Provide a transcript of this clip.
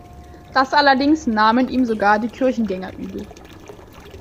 Das allerdings nahmen ihm sogar die Kirchgänger übel.